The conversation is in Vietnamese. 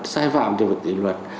sai phạm thì phải kỷ luật